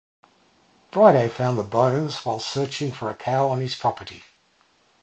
Friday found the bones while searching for a cow on his property.